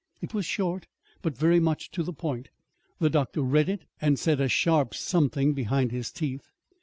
It was short, but very much to the point. The doctor read it, and said a sharp something behind his teeth.